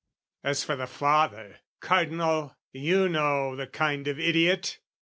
As for the father, Cardinal, you know, The kind of idiot!